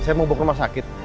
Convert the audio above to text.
saya mau bawa ke rumah sakit